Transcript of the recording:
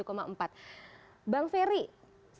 semua hasil survei menurut anda apa